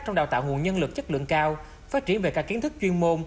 trong đào tạo nguồn nhân lực chất lượng cao phát triển về các kiến thức chuyên môn